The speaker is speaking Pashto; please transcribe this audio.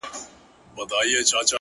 • شپه تیاره وه ژر نیهام ځانته تنها سو,